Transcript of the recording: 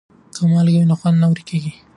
که مالګه وي نو خوند نه ورکیږي.